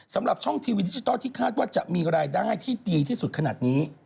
สำหรับช่องทีวีดิจิทัลที่คาดว่าจะมีรายได้ที่ดีที่สุดขนาดนี้